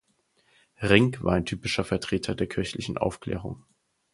Rink war ein typischer Vertreter der kirchlichen Aufklärung.